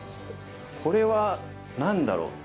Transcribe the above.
これは何だろう？